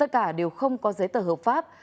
cả đều không có giấy tờ hợp pháp